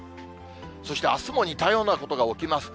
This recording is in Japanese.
そしてあすも似たようなことが起きます。